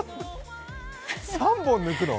３本抜くの！？